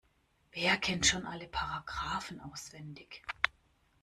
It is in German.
Wer kennt schon alle Paragraphen auswendig?